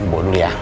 buat dulu ya